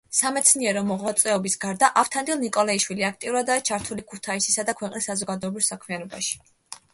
სამეცნიერო მოღვაწეობის გარდა, ავთანდილ ნიკოლეიშვილი აქტიურადაა ჩართული ქუთაისისა და ქვეყნის საზოგადოებრივ საქმიანობაში.